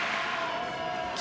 霧